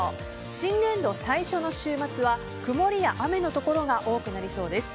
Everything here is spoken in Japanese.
新年度最初の週末は曇りや雨の所が多くなりそうです。